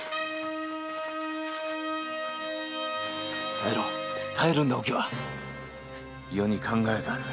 耐えろ耐えるんだお喜和余に考えがある。